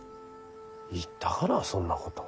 言ったかなそんなこと。